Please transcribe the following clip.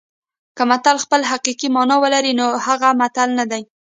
که متل خپله حقیقي مانا ولري نو هغه متل نه دی